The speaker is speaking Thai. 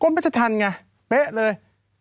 กลมราชธรรมไงเป๊ะเลย